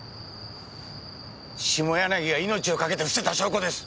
下柳が命をかけてふせた証拠です！